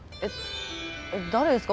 え誰ですか？